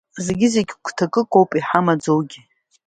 Зегьы-зегьы гәҭакык ауп иҳамаӡоугьы…